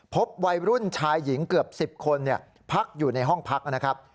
พบวัยรุ่นชายหญิงเกือบ๑๐คนพักอยู่ในห้องพักนะครับ